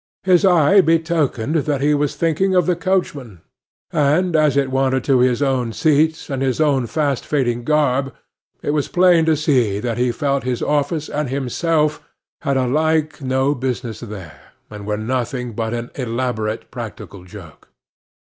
His eye betokened that he was thinking of the coachman; and as it wandered to his own seat and his own fast fading garb, it was plain to see that he felt his office and himself had alike no business there, and were nothing but an elaborate practical joke.